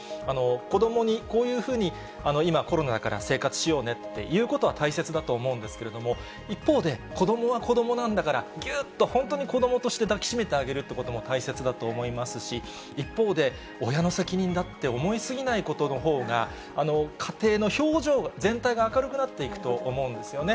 子どもにこういうふうに今、コロナだから生活しようねっていうことは大切だと思うんですけれども、一方で、子どもは子どもなんだから、ぎゅっと本当に子どもとして抱きしめてあげるということも大切だと思いますし、一方で、親の責任だって思い過ぎないことのほうが、家庭の表情全体が明るくなっていくと思うんですよね。